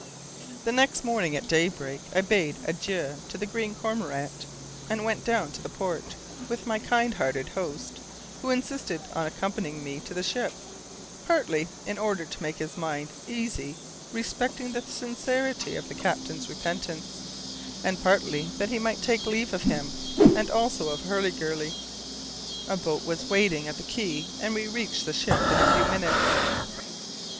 The next morning at daybreak I bade adieu to the Green Cormorant, and went down to the port, with my kind hearted host, who insisted on accompanying me to the ship, partly in order to make his mind easy respecting the sincerity of the captain's repentance, and partly that he might take leave of him, and also of Hurliguerly. A boat was waiting at the quay, and we reached the ship in a few minutes.